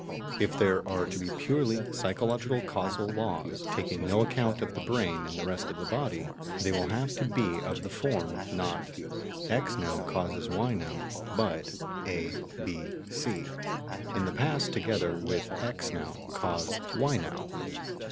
If there are to be purely psychological causal laws, taking no account of the brain and the rest of the body, they will have to be of the form, not "X now causes Y now," but "A, B, C,... in the past, together with X now, cause Y now."